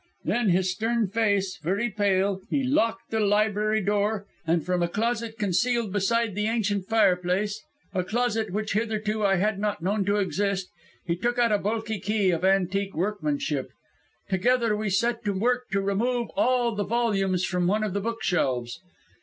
Then, his stern face very pale, he locked the library door, and from a closet concealed beside the ancient fireplace a closet which, hitherto, I had not known to exist he took out a bulky key of antique workmanship. Together we set to work to remove all the volumes from one of the bookshelves.